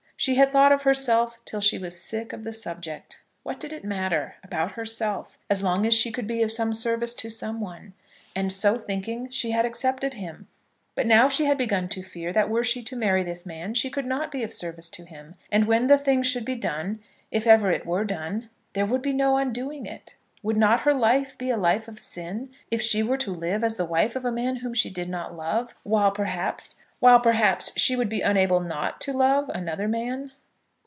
She had thought of herself till she was sick of the subject. What did it matter, about herself, as long as she could be of some service to some one? And so thinking, she had accepted him. But now she had begun to fear that were she to marry this man she could not be of service to him. And when the thing should be done, if ever it were done, there would be no undoing it. Would not her life be a life of sin if she were to live as the wife of a man whom she did not love, while, perhaps, she would be unable not to love another man?